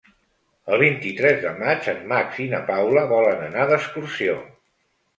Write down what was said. El vint-i-tres de maig en Max i na Paula volen anar d'excursió.